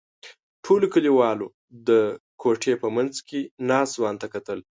ټولو کلیوالو د کوټې په منځ کې ناست ځوان ته کتل.